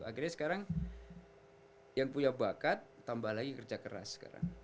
akhirnya sekarang yang punya bakat tambah lagi kerja keras sekarang